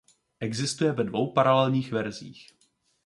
Existuje ve dvou paralelních verzích.